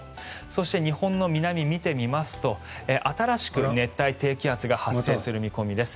そして、日本の南を見てみますと新しく熱帯低気圧が発生する見込みです。